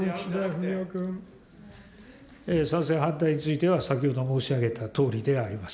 賛成、反対については、先ほども申し上げたとおりであります。